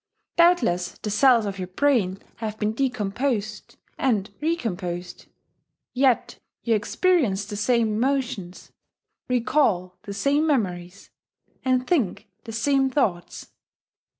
Doubtless the cells of your brain have been decomposed and recomposed: yet you experience the same emotions, recall the same memories, and think the same thoughts.